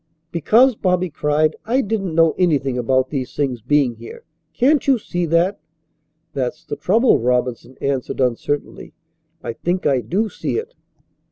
"Because," Bobby cried, "I didn't know anything about these things being here. Can't you see that?" "That's the trouble," Robinson answered uncertainly, "I think I do see it."